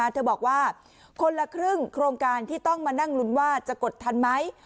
เธอบอกว่าคนละครึ่งโครงการที่ต้องมานั่งลุ้นว่าจะกดทันไหม